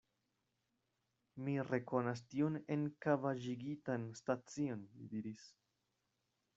Mi rekonas tiun enkavaĵigitan stacion, li diris.